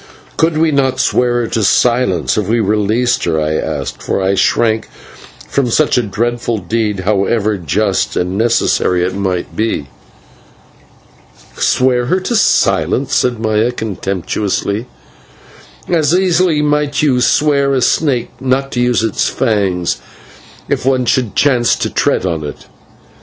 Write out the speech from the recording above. "Could we not swear her to silence if we released her?" I asked, for I shrank from such a dreadful deed, however just and necessary it might be. "Swear her to silence!" said Maya contemptuously, "as easily might you swear a snake not to use its fangs, if one should chance to tread on it.